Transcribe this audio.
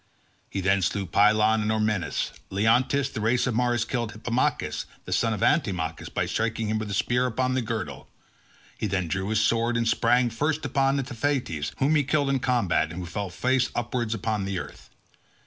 He then slew Pylon and Ormenus. Leonteus, of the race of Mars, killed Hippomachus the son of Antimachus by striking him with his spear upon the girdle. He then drew his sword and sprang first upon Antiphates whom he killed in combat, and who fell face upwards on the earth.